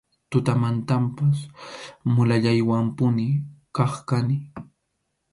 Tutamantanpas mulallaywanpuni kaq kani.